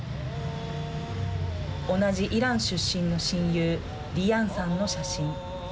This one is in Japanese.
同じイラン出身の親友リヤンさんの写真。